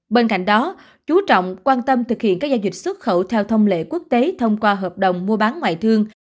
bên cạnh đó chú trọng quan tâm thực hiện các giao dịch xuất khẩu theo thông lệ quốc tế thông qua hợp đồng mua bán ngoại thương